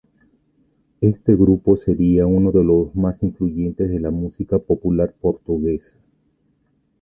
Este grupo sería uno de los más influyentes de la música popular portuguesa.